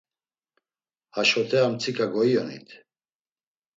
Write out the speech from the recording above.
Haşote ar mtsika goiyonit.